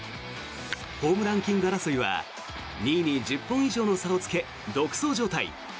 ホームランキング争いは２位に１０本以上の差をつけ独走状態。